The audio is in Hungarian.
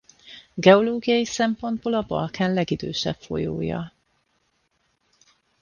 Geológiai szempontból a Balkán legidősebb folyója.